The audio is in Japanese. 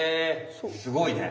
すごいね。